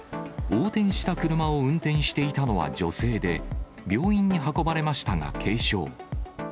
横転した車を運転していたのは女性で、病院に運ばれましたが軽傷。